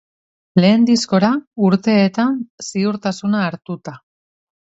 Lehen diskora urteetan ziurtasuna hartuta.